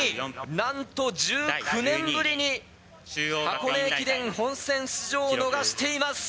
なんと１９年ぶりに、箱根駅伝本戦出場を逃しています。